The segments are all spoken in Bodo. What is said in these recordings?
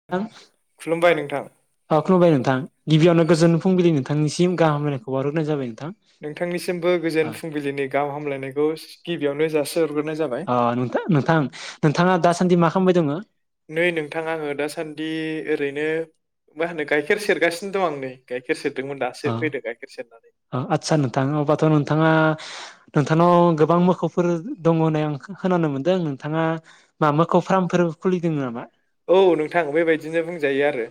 [unintelligible] अ खलुमबाय नोंथां गिबियावनो गोजोन फुंबिलि नोंथांनिसिम गाहाम हामलायखौ बावहरग्रोनाय जाबाय नोंथां। नोंथांनिसिमबो गोजोन फुंबिलिनि गाहाम हामलायनायखौ गिबियावनो जासिहरग्रोनाय जाबाय। अ नोंथां नोंथां नोंथाङा दासान्दि मा खालामबाय दङो नै नोंथां आङो दासान्दि ओरैनो मा होनो गाइखेर सेरगासिनो दं आं नै गाइखेर सेरदोंमोन दासो फैदों गाइखेर सेरनानै आदसा नोंथां अब्लाथ' नोंथाङा नोंथांनाव गोबां मोखौफोर दङ होनायाव आं खोनानो मोनदों नोंथाङा मा मोखौ फार्मफोर खुलिदों नामा औ नोंथां बेबायदिनो बुंजायो आरो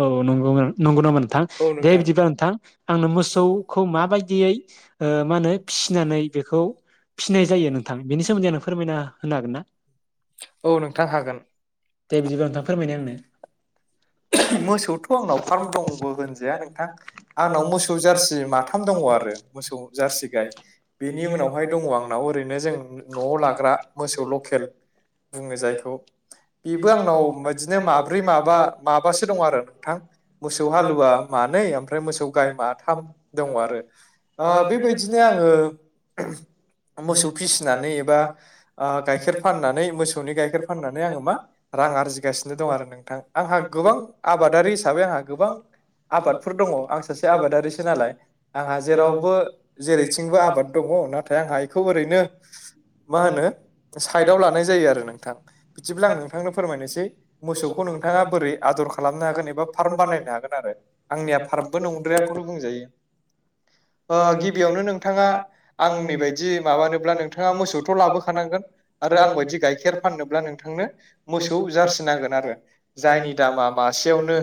औ नंगौ नंगौ नामा नोंथां दे बिदिब्लाा नोंथां आंनो मोसौखौ माबायदियै ओ मा होनो फिसिनानै बेखौ फिसिनाय जायो नोंथां बेनि सोमोन्दै आंनो फोरमायना होनो हागोन ना औ नोंथां हागोन फोरमायनाय आंनो मोसौथ' आंनाव फार्म दंबो होनजाया नोंथां आंनाव मोसौ जारसि माथाम दङ आरो मोसौ जारसि गाय बेनि उनावहाय दङ आंनाव ओरैनो जों न'आव लाग्रा मोसौ लकेल बुङो जायखौ बेबो आंनाव बायदिनो माब्रै माबा माबासो दं आरो नोंथां मोसौ हालुवा मानै आमफ्राय मोसौ गाय माथाम दङ आरो ओ बेबायदिनो आङो मोसौ फिसिनानै एबा ओ गाइखेर फाननानै मोसौनि गाइखेर फाननानै आङो मा रां आरजिगासिनो दं आरो नोंथां आंहा गोबां आबादारि हिसाबै आंहा गोबां आबादफोर दङ आं सासे आबादारिसो नालाय आंहा जेरावबो जेरैथिंबो आबाद दङ नाथाय आंहा एखौ ओरैनो मा होनो साइडाव लानाय जायो आरो नोंथां बिदिब्ला आं नोंथांनो फोरमायनोसै मोसौखौ नोंथां नोंथाङा बोरै आदर खालामनो हागोन एबा फार्म बानायनो हागोन आरो आंनिया फार्मबो नंद्रयाखौनो बुंजायो ओ गिबियावनो नोंथाङा आंनि बायदि माबानोबा नोंथाङा मोसौखौ माबा थानांगोन आरो आंनि बायदि गाइखेर फाननोबा नोंथांनो मोसौ जारसि नागिरनांगोन जायनि दामा मासेयावनो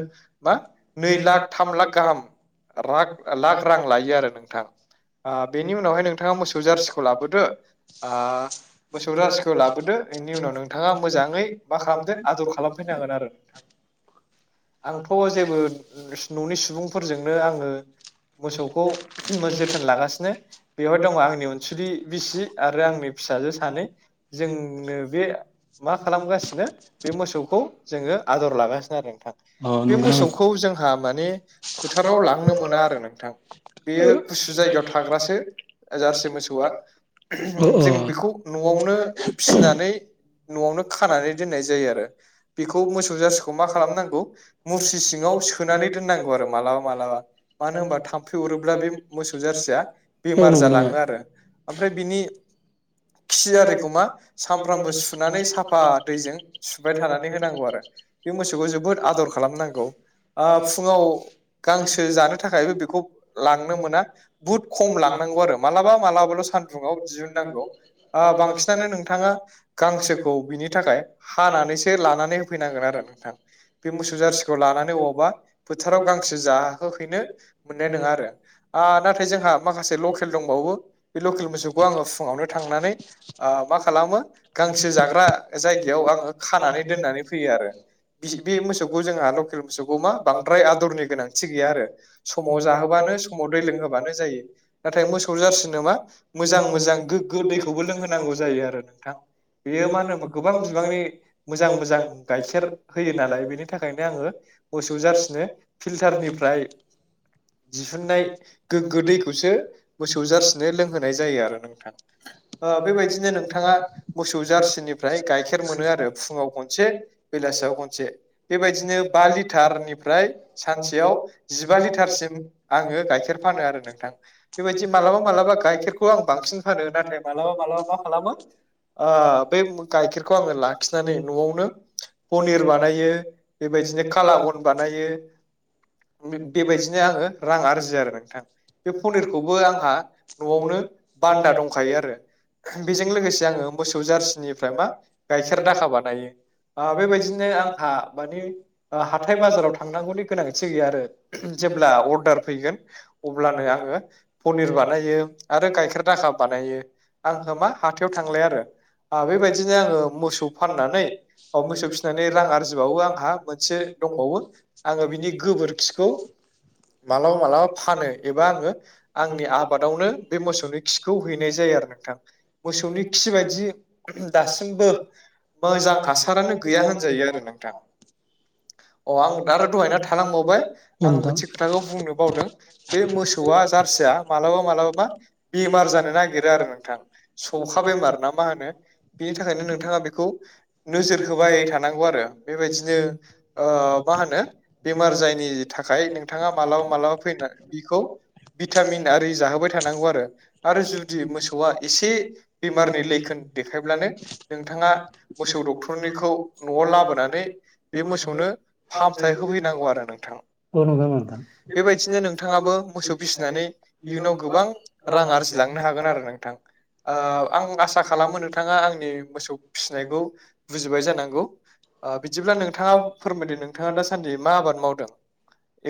मा नै लाख थाम लाख गाहाम राग लाख रां लायो आरो नोंथां आ बेनि उनावहाय नोंथाङा मोसौ जारसिखौ लाबोदो आ मोसौ जारसिखौ लाबोदो एनि उनाव नोंथाङा मोजाङै मा खालामदो आदर खालामफैनांगोन आरो आंथ' जेबो ननि सुबुंफोरजोंनो आङो मोसौखौ जोथोन लागासिनो बेवहाय दङ आंनि अनसुलि बिसि आरो आंनि फिसाजो सानै जोंनो बे मा खालामगासिनो बे मोसौखौ जोङो आदर लागासिनो आरो बे मोसौखौ जोंहा माने फोथाराव लांनो मोना आरो नोंथां बेयो गुसु जायगायाव थाग्रासो जारसि मोसौआ जों बेखौ न'आवनो फिनानै न'आवनो खानानै दोननाय जायो आरो बेखौ मोसौ जारसिखौ मा खालामनांगौ मुस्रि सिङाव सोनानै दोननांगौ आरो मालाबा मालाबा मानो होनबा थाम्फै अरोब्ला बे मोसौ जारसिया बेमार जालाङो आरो आमफ्राय बिनि खि आरिखौ मा सामफ्रामबो सुनानै साफा दैजों सुबाय थानानै होनांगौ आरो बे मोसौखौ जोबोद आदर खालामनांगौ। ओ फुङाव गांसो जानो थाखायबो बेखौ लांनो मोना बुहुत खम लांनांगौ आरो मालाबा मालाबाल' सान्दुङाव दिहुननांगौ ओ बांसिनानो नोंथाङा गांसोखौ बिनि थाखाय हानानैसो लानानै होफैनांगोन आरो नोंथां बे मोसौ जारसिखौ लानानै अबावबा फोथाराव गांसो जाहोहैनो मोननाय नङा आरो। आ नाथाय जोंहा माखासे लकेल दंबावो बे लकेल मोसौखौ आङो फुङावनो थांनानै आ मा खालामो गांसो जाग्रा जायगायाव आङो खानानै दोननानै फैयो आरो बे बे मोसौ खौ जोंहा लकेल मोसौखौ मा बांद्राय आदरनि गोनांथि गैया आरो समाव जाहोबानो समाव दै लोंहोबानो जायो नाथाय मोसौ जारसिनो मा मोजां मोजां गोग्गो दैखौबो लोंहोनांगौ जायो आरो नोंथां बेयो मा होनो गोबां बिबांनि मोजां मोजां गाइखेर होयो नालाय बेनि थाखायनो आङो मोसौ जाारसिनो फिल्टारनिफ्राय दिहुननाय गोग्गो दैखौसो मोसौ जाारसिनो लोंहोनाय जायो आरो नोंथां। ओ बेबायदिनो नोंथाङा मोसौ जारसिनिफ्राय गाइखेर मोनो आरो फुङाव खनसे बेलासियाव खनसे बेबायदिनो बा लिटारनिफ्राय सानसेयाव जिबा लिटारसिम आङो गाइखेर फानो आरो नोंथां। बेबायदि मालाबा मालाबा गाइखेरखौ आं बांसिन फानो नाथाय मालाबा मालाबा मा खालामो ओ बे गाइखेरखौ आङो लाखिनानै न'आवनो पनिर बानायो बेबायदिनो कलागन बानायो। बेबायदिनो आङो रां आरजियो आरो नोंथां। बे पनिरखौबो आंहा न'आवनो बान्दा दंखायो आरो। बेजों लोगोसे आङो मोसौ जार्सिनिफ्राय मा गाइखेर दाखा बानायो। बेबायदिनो आंहा मानि हाथाय बाजाराव थांनांगौनि गोनांथि गैया आरो जेब्ला अर्डार फैगोन अब्लानो आङो पनिर बानायो आरो गाइखेर दाखा बानायो। आंङो मा हाथायाव थांलाय आरो बेबायदिनो आङो मोसौ फाननानै औ मोसौ फिनानै रां आरजिबबाय। आंहा मोनसे दंबावो आङो बिनि गोबोरखिखौ मालाबा मालाबा फानो एबा आङो आंनि आबादावनो बे मोसौनि खिखौ हैनाय जायो आरो नों- थां मोसौनि खि बायदि दासिमबो मोजां हासारा- नो गैया होनजायो आरो नोंथां। [inaudible] अ आं दा आरो दहायना थालांबावबाय आं मोनसे खोथाखौ बुंनो बावदों बे मोसौआ जारसिया मालाबा मालाबा मा बेमार जानो नागिरो आरो नोंथां सौखा बेमार ना मा होनो बिनि थाखायनो नोंथाङा बेखौ नोजोर होबाय थानांगौ आरो बेबायदिनो ओ मा होनो बेमार जायिनि थाखाय नोंथाङा मालाबा मालाबा फैनो बिखौ भिटामिन आरि जाहोबाय थानांगौ आरो आरो जुदि मोसौआ एसे बेमारनि लैखोन देखायब्लानो नोंथाङा मोसौ डक्टर निखौ न'आव लाबोनानै बे मोसौनो फाहामथाय होफैनांगौ आरो नोंथां। बेबायदिनो नोंथाङाबो मोसौ फिसिनानै इयुनाव गोबां रां आरजिलांनो हागोन आरो नोंथां। ओ आं आसा खालामो नोंथाङा आंनि मोसौ फिसिनायखौ बुजिबाय जानांगौ। बिदिब्ला नोंथाङा नोंथाङा दाासानदि मा आबाद मावदों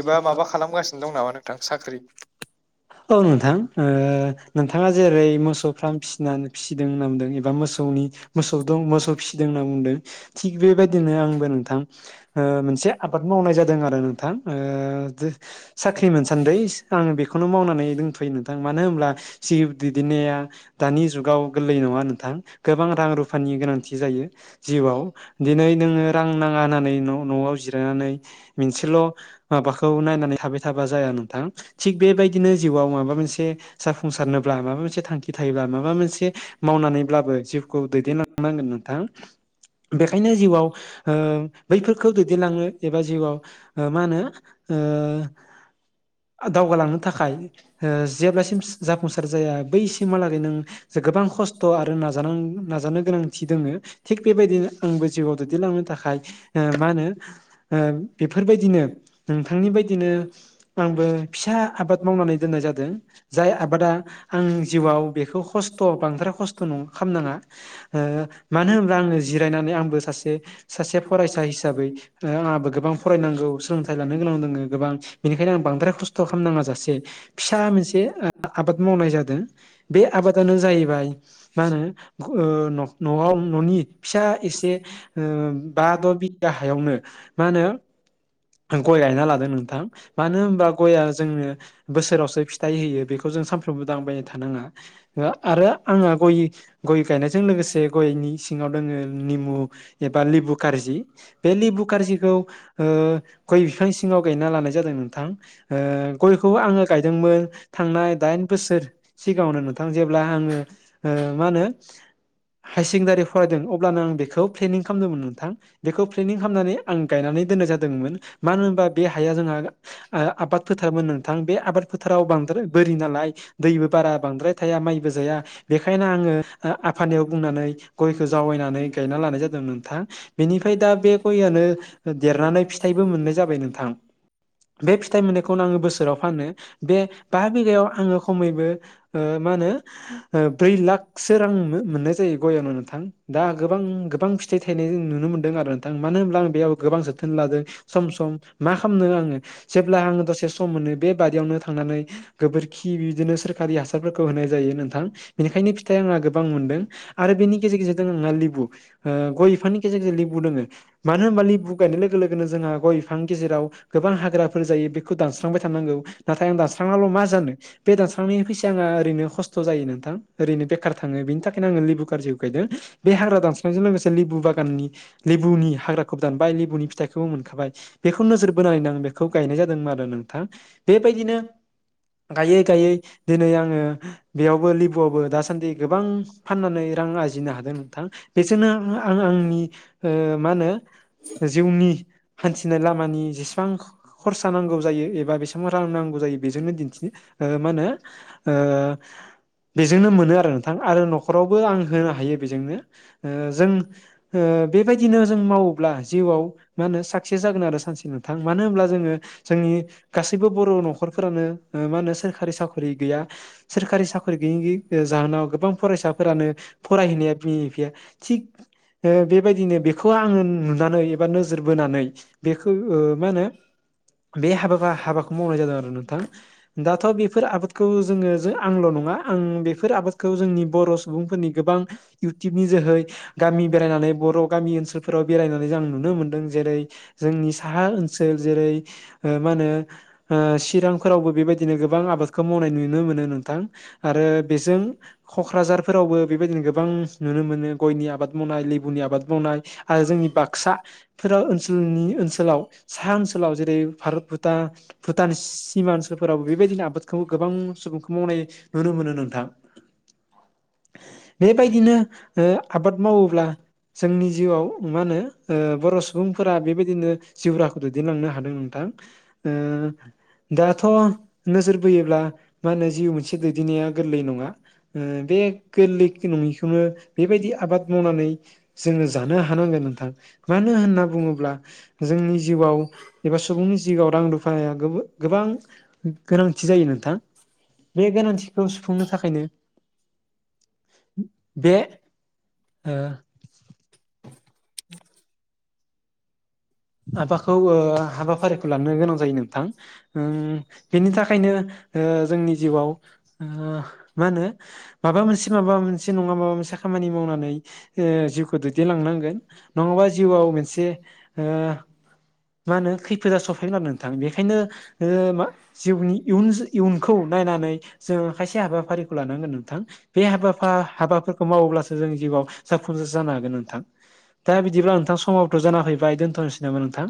एबा माबा खालामगासिनो दं नामा नोंथां साख्रि? [inaudible] औ नोंथां ओ नोंथाङा जेरै मोसौ फार्म फिसि-फिसिदों होनना बुंदों एबा मोसौनि मोसौ दं मोसौ फिसिदों होनना बुंदों थिग बेबायदिनो आंबो नोंथां ओ मोनसे आबाद मावनाय जादों आरो नोंथां ओ साख्रि मोनसान्दै। आंङो बेखौनो मावनानै दंथ'यो नोंथां मानो होनब्ला जिउ दैदेननाया दानि जुगाव गोरलै नङा नोंथां गोबां रां रुफानि गोनांथि जायो। जिउआव दिनै नोङो रां नाङा होननानै न' न'आव जिरायनानै मोनसेल' माबाखौ नायनानै थाबाय थाबा जाया नोंथां। थिग बेबायदिनो जिउआव माबा मोनसे जाफुंसारनोब्ला माबा मोनसे थांखि थायोब्ला माबा मोनसे मावनानैब्लाबो जिउखौ दैदेनलांनांगोन नोंथां। बेखायनो जिउआव ओ बैफोर खौ दैदेनलांनो एबा जिउआव मा होनो ओ दावगालांनो थाखाय ओ‌ जेब्लासिम जाफुंसार जाया बैसिमहालागै नों गोबां खस्थ' आरो नाजान नाजानो गोनांथि दोंङो। थिग बेबायदिनो आंबो जिउआव दैदेनलांनो थाखाय मा होनो ओ बेफोरबायदिनो नोंथांनि बायदिनो आंबो फिसा आबाद मावनानै दोननाय जादों जाय आबादा आं जिउआव बेखौ खस्थ' बांद्राय खस्थ' नङ खालामनाङा ओ मानो होनोब्ला आङो जिरायनानै आंबो सासे सासे फरायसा हिसाबै आंहाबो गोबां फरायनांगौ सोलोंथाइ लानो गोनां दङ गोबां बेनिखायनो आं बांद्राय खस्थ' खालामनाङा जासे फिसा मोनसे आबाद मावनाय जादों। बे आबादानो जाहैबाय मा होनो न'आव न'नि फिसा एसे ओ बा द' बिगा हायावनो मा होनो गय गायना लादों नोंथां। मानो होनबा गयआ जोंनो बोसोरावसो फिथाइ होयो बेखौ जों सानफ्रोमबो दांबायना थानाङा आरो आङो गय गय गायनायजों लोगोसे गयनि सिङाव दोङो निमु एबा लेबु कारजि। बे लेबु कारजिखौ गय बिफांनि सिङाव गायना लानाय जादों नोंथां। ओ गयखौ आङो गायदोंमोन थांनाय दाइन बोसोर सिगाङावनो नोंथां। जेब्ला आङो ओ मा होनो हायार सेकेण्डारि फरायदों अब्लानो आं बेखौ प्लेनिं खालामदोंमोन नोंथां। बेखौ प्लेनिं खालामनानै आं गायनानै दोननाय जादोंमोन। मानो होनबा बे हाया जोंहा आबाद फोथारमोन नोंथां बे आबाद फोथाराव बांद्राय बोरि नालाय दैबो बारा बांद्राय थाया माइबो जाया बेखायनो आङो आफानियाव बुंनानै गयखौ जावैनानै गायना लानाय जादों नोंथां। बेनिफ्राय दा बे गययानो देरनानै फिथाइबो मोननाय जाबाय नोंथां। बे फिथाइ मोननायखौनो आङो बोसोराव फानो। बे बा बिघायाव आङो खमैबो ओ मा होनो ब्रै लाखसो रां मोननाय जायो गयनो नोंथां। दा गोबां गोबां फिथाइ थायनायजों नुनो मोनदों आरो नोंथां मानो होनब्ला आं बेयाव गोबां जोथोन लादों। सम सम मा खालामनो आङो जेब्ला आङो दसे सम मोनो बे बादियावनो थांनानै गोबोरखि बिदिनो सोरखारि हासारफोरखौ होनाय जायो नोंथां। बेनिखायनो फिथाइ आंहा गोबां मोनदों आरो बेनि गेजेर गेजेर दङ नोंना लिबु गय बिफनि गेजेर गेजेर लेबु दोङो। मानो होनबा लेबु गायनाय लोगो लोगोनो जोंहा गय बिफांनि गेजेराव गोबां हाग्राफोर जायो बेखौ दानस्रांबाय थानांगौ नाथाय आं दानसां नाल' मा जानो। बे दानसांनायनि फैसााया आंहा ओरैनो खस्थ' जायो नोंथां ओरैनो बेखार थाङो बेनि थाखायनो आङो लिबु गारजिखौ गायदों बे हाग्रा दानस्रनायजों लोगोसे लिबु बा नि लेबुनि हाग्राखौ खौबो दानबाय लेबुनि फिथाइखौबो मोनखाबाय बेखौ नोजोर बोनानैनो आं बेखौ गायनाय जादोंमोन आरो नोंथां बेबायदिनो गायै गायै दिनै आङो बेयावबो लिबुआवबो दासान्दि गोबां फाननानै रां आरजिनो हादों नोंथां। बेसोरनो आं आंनि मा होनो जिउनि हान्थिनाय लामानि जेसेबां खरसा नांगौ जायो एबा बा बेसेबां रां नांगौ जायो बेजोंनो दिन्थि मा होनो ओ बेजोंनो मोनो आरो नोंथां आरो न'खरावबो आं होनो हायो। बेजोंनो ओ जों बेबायदिनो जों मावोब्ला जिउआव मा होनो साक्सेस जागोन आरो सानसे नथां। मानो होनोमब्ला जोङो जोंनि गासैबो बर' न'खरफोरानो मा होनो सोरखारि साख्रि गैया। सोरखारि साख्रि गैयि गैयि जाहोनाव गोबां फरायसाफोरानो फरायहोनो हाया बिमा बिफाया। थिग बेबायदिनो बेखौ आङो नुनानै बा नोजोर बोनानै बेखौ ओ मा होनो बे हाबा हाबाखौ मावनाय जादों आरो नोंथां। दाथ' बेफोर आबादखौ जोंङो ज आंल' नङा आं बेफोर आबादखौ जोंनि बर' सुबुंफोरनि गोबां इउटुबनि जोहै गामि बेरायनानै बर' गामि ओनसोलफोराव बेरायनानै जों नुनो मोनदों जेरै जोंनि साहा ओनसोल जेरै मा होनो ओ चिरांफोरावबो बेबायदिनो गोबां आबादखौ मावनाय नुनो मोनो नोंथां आरो बेजों क'क्राझारफोरावबो बेबायदिनो गोबां नुनो मोनो गयनि आबाद। मावनाय लेबुनि आबाद मावनाय आरो जोंनि बाक्साफोरओ ओ नि ओनसोलाव सा ओनसोलाव जेरै भारत भुटान भुटान सिमा ओनसोलफोरावबो बेबायदिनो आबाद खौ गोबां सुबुंखौ मावनाय नुनो मोनो नोंथां। बेबायदिनो ओ आबाद मावोब्ला जोंनि जिउआव मा होनो सुबुंफोरा बेबायदिनो जिउराहाखौ दैदेनलांनो हादों नोंथां। ओ दाथ' नोजोर बोयोब्ला मा होनो जिउ मोनसे दैदेननाया गोरलै नङा। उम बे गोरलै नङिखौनो बेबायदि आबाद मावनानै जोंङो जानो हानांगोन नोंथां मानो होनना बुङोब्ला जोंनि जिउआव एबा सुबुंनि जिउआव रां रुफाया गोबां [inaudible] बे गोनांथिखौ सुफुंनो थाखायनो बे ओ हाबाखौ ओ हाबाफारिखौ लानो गोनां जायो नोंथां ओ बेनि थाखायनो ओ जोंनि जिउआव मा होनो माबा मोनसे माबा मोनसे नङा माबा मोनसे खामानि मावनानै ओ जिउखौ दैदेनलांनांगोन नङाबा जिउआव मोनसे हो मा होनो खैफोदा सफैगोन आरो नोंथां बेखायनो ओ मा जिउनि इयुन इयुनखौ नायनानै जोंङो खायसे हाबाफारिखौ लानांगोन नोंथां बे हाबा हाबाफोरखौ मावोब्लासो जों जिउआव जाफुंसार जानो हागोन नोंथां दा बिदिब्ला नोंथां समावथ' जाना फैबाय दोनथ'नोसै नामा नोंथां?